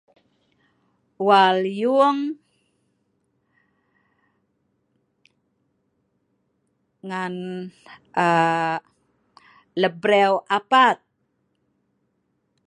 Wal Yung ngan aaa Le' breu Apat